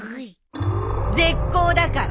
絶交だから。